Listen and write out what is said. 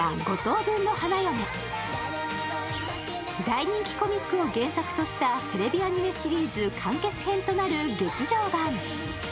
大人気コミックを原作としたテレビアニメシリーズ完結編となる劇場版。